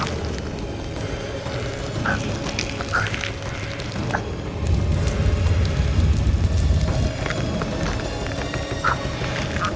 มึงต้องตาย